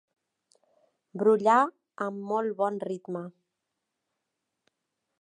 Brollà amb molt bon ritme.